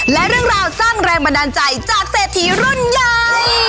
และเรื่องราวสร้างแรงบันดาลใจจากเศรษฐีรุ่นใหญ่